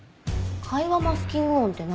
会話マスキング音って何？